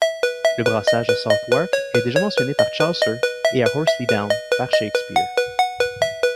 Le brassage à Southwark est déjà mentionné par Chaucer, et à Horselydown par Shakespeare.